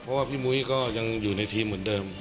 เพราะว่าพี่มุ้ยก็ยังอยู่ในทีมเหมือนเดิม